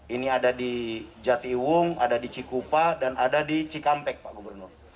ini ada di jatiwung ada di cikupa dan ada di cikampek pak gubernur